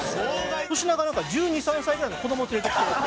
粗品がなんか１２１３歳ぐらいの子どもを連れてきて。